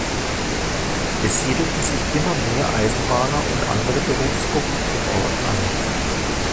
Es siedelten sich immer mehr Eisenbahner und andere Berufsgruppen im Ort an.